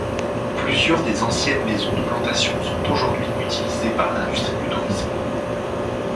Plusieurs des anciennes maisons de plantations sont aujourd’hui utilisée par l’industrie du tourisme.